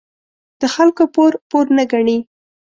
د خلکو پور، پور نه گڼي.